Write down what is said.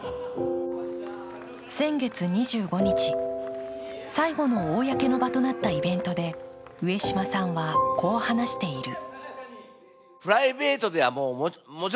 先月２５日、最後の公の場となったイベントで上島さんはこう話している。